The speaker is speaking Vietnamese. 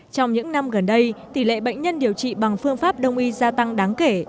trong những năm gần đây tỷ lệ bệnh nhân điều trị bằng phương pháp đông y gia tăng đáng kể